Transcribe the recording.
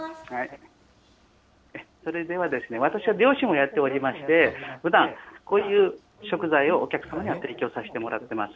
それでは私は漁師をやっておりまして、ふだん、こういう食材をお客様に提供させてもらってます。